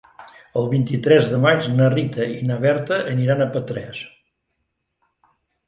El vint-i-tres de maig na Rita i na Berta aniran a Petrés.